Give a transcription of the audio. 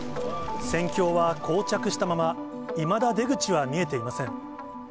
戦況はこう着したまま、いまだ出口は見えていません。